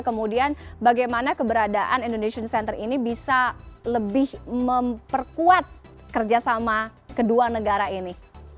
kemudian bagaimana keberadaan indonesian center ini bisa lebih memperkuat kerjasama kedua negara ini